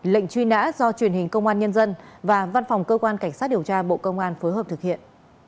lệnh truy nã do truyền hình công an nhân dân và văn phòng cơ quan cảnh sát điều tra bộ công an phối hợp thực hiện